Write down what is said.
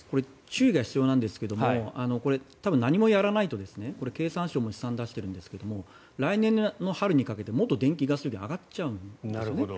注意が必要なんですが何もやらないと経産省も試算を出しているんですが来年の春にかけてもっと電気・ガス料金が上がっちゃうんですよね。